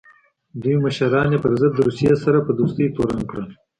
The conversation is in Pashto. دوی مشران یې پر ضد د روسیې سره په دوستۍ تورن کړل.